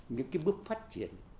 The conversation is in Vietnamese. những cái bước phát triển